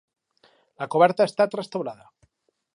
La coberta ha estat restaurada.